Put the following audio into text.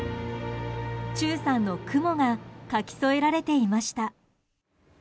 忠さんの雲が描き添えられていました。